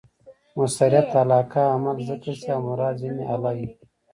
مؤثریت علاقه؛ عمل ذکر سي او مراد ځني آله يي.